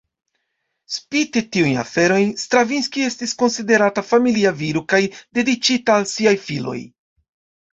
Spite tiujn aferojn, Stravinski estis konsiderata familia viro kaj dediĉita al siaj filoj.